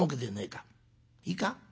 いいか？